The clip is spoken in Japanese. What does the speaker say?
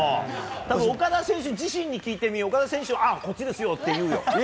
多分、岡田選手自身に聞いても岡田選手、こっちですよって言うよ。